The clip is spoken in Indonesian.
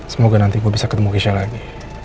semoga nanti gue bisa ketemu isha lagi